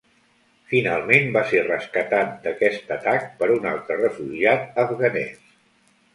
Finalment va ser rescatat d'aquest atac per un altre refugiat afganès.